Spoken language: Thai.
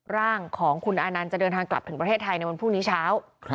ร่างของคุณอานันต์จะเดินทางกลับถึงประเทศไทยในวันพรุ่งนี้เช้า